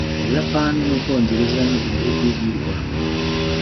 ubuyapani n'ubwongereza ni ibihugu birwa